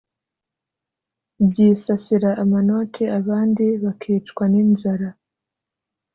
Byisasira amanoti abandi bakicwa n'inzara